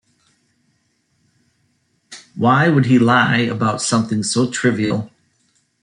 Why would he lie about something so trivial?